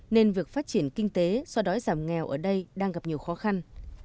nên việc phát triển kinh tế so đói giảm nghèo ở đây đang gặp nhiều khó khăn